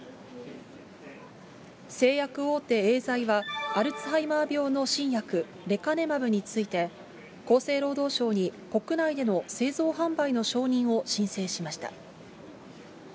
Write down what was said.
製薬大手、エーザイは、アルツハイマー病の新薬、レカネマブについて、厚生労働省に国内での製造販売の承認を申請しました。